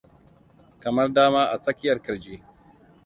kamar dama a tsakiyar kirji